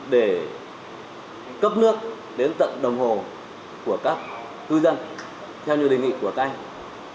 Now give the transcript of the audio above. để cấp nước đến tận đồng hồ của các cư dân theo như đề nghị của các anh